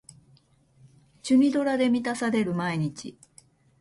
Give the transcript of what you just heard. チュニドラで満たされる毎日